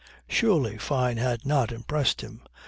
Surely Fyne had not impressed him.